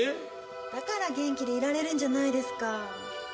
だから元気でいられるんじゃないですか。